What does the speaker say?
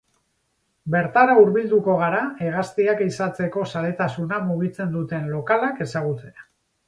Bertara hurbilduko gara hegaztiak ehizatzeko zaletasuna mugitzen duten lokalak ezagutzera.